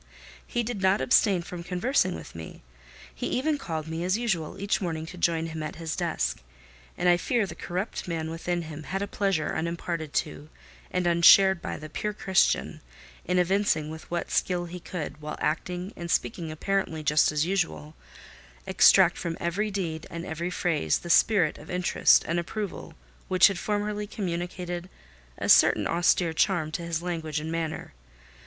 He did not abstain from conversing with me: he even called me as usual each morning to join him at his desk; and I fear the corrupt man within him had a pleasure unimparted to, and unshared by, the pure Christian, in evincing with what skill he could, while acting and speaking apparently just as usual, extract from every deed and every phrase the spirit of interest and approval which had formerly communicated a certain austere charm to his language and manner.